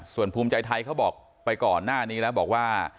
ส่วนภูมิใจไทยเขาบอกไปก่อนหน้านี้แล้วบอกว่า